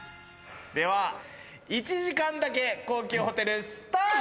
では、１時間だけ高級ホテル、スタート！